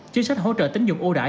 chính sách hỗ trợ tính dụng ưu đại